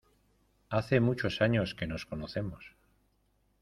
Hace muchos años que nos conocemos.